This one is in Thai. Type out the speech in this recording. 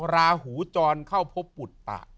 ราหูจรเข้าพบปุตตะ